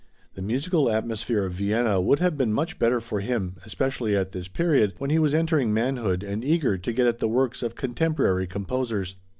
The musical atmosphere of Vienna would have been much better for him, especially at this period, when he was entering manhood and eager to get at the works of contemporary composers.